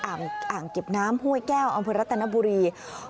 อ่างเก็บน้ำห้วยแก้วอำเภอรัตนบุรี